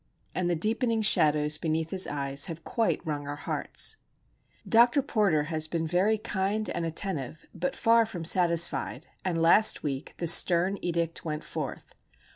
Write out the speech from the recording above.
And the deepening shadows beneath his eyes have quite wrung our hearts. Dr. Porter has been very kind and attentive, but far from satisfied; and last week the stern edict went forth.